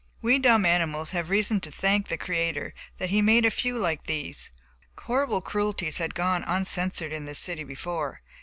We dumb animals have reason to thank the Creator that He made a few like these. Horrible cruelties had gone uncensured in this city before.